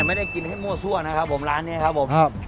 ไม่ได้กินให้มั่วซั่วนะครับผมร้านนี้ครับผมครับ